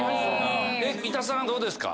三田さんはどうですか？